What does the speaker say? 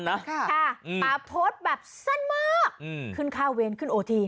น่ะค่ะอืมตาโพสต์แบบสั้นมากอืมขึ้นค่าเวรขึ้นโอที